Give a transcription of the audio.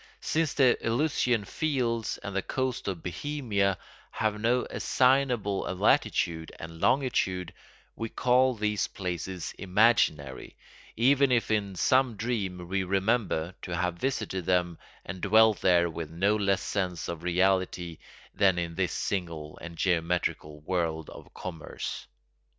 Since the Elysian Fields and the Coast of Bohemia have no assignable latitude and longitude, we call these places imaginary, even if in some dream we remember to have visited them and dwelt there with no less sense of reality than in this single and geometrical world of commerce.